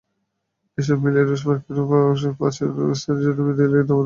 এসব মিলিয়ে রুশ-মার্কিন সম্পর্কে প্রাচীন স্নায়ুযুদ্ধ মৃদুলয়ে দামামা বাজাতে শুরু করে।